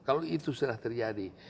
kalau itu sudah terjadi